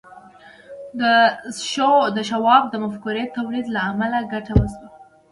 د شواب د مفکورې د تولید له امله ګټه وشوه